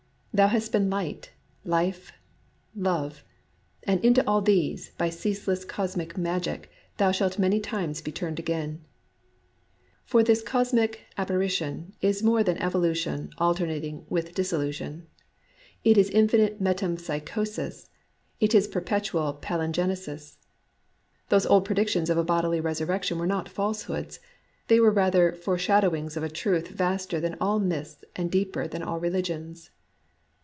... Thou hast been Light, Life, Love ;— and into all these, by ceaseless cos mic magic, thou shalt many times be turned again I For this Cosmic Apparition is more than evolution alternating with dissolution : it is 90 DUST infinite metempsycliosis ; it is perpetual palin genesis. Those old predictions of a bodily resurrection were not falsehoods; they were rather foreshadowings of a truth vaster than all myths and deeper than all religions.